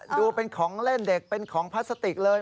ดูเป็นของเล่นเด็กเป็นของพลาสติกเลย